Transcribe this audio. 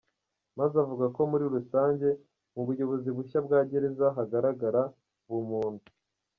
Maze avuga ko muri rusange mu buyobozi bushya bwa gereza hagaragara ubumuntu.